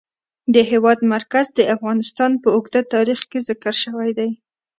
د هېواد مرکز د افغانستان په اوږده تاریخ کې ذکر شوی دی.